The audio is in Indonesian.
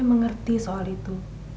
saya mengerti soal itu